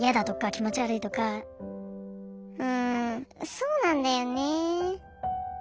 そうなんだよね。